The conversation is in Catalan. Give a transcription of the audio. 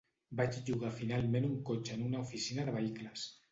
Vaig llogar finalment un cotxe en una oficina de vehicles.